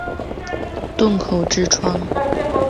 洞口之窗